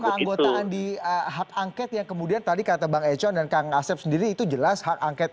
keanggotaan di hak angket yang kemudian tadi kata bang econ dan kang asep sendiri itu jelas hak angket